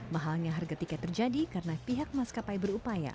mahalnya harga tiket terjadi karena pihak mas kapai berupaya